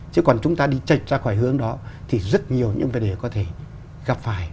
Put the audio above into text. chứ còn chúng ta đi chạch ra khỏi hướng đó thì rất nhiều những vấn đề có thể gặp phải